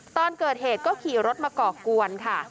ตอนเกิดเหตุก็ขี่รถมาก่อกวนค่ะ